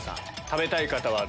食べたい方は？